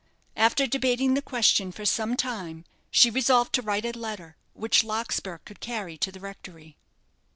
After debating the question for some time, she resolved to write a letter, which Larkspur could carry to the rectory.